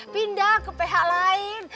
pindah ke pihak lain